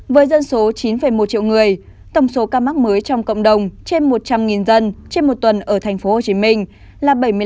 với dân số chín một triệu người tổng số ca mắc mới trong cộng đồng trên một trăm linh dân trên một tuần ở tp hcm là bảy mươi năm